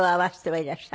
はい。